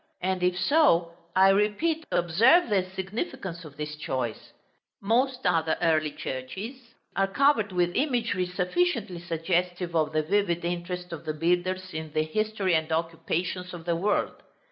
And if so, I repeat, observe the significance of this choice. Most other early churches are covered with imagery sufficiently suggestive of the vivid interest of the builders in the history and occupations of the world.